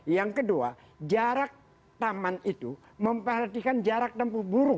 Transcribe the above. yang kedua jarak taman itu memperhatikan jarak tempuh burung